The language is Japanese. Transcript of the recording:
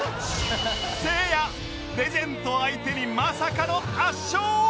せいやレジェンド相手にまさかの圧勝！